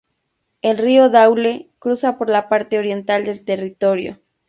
El río Daule cruza por la parte oriental del territorio.